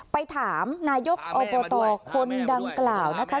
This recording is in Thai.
ไปถามนายกอบตคนดังกล่าวนะคะ